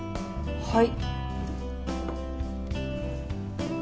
はい。